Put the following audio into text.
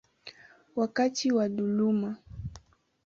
wakati wa dhuluma.